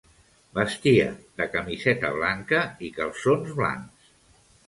Vestia de camiseta blanca i calçons blancs.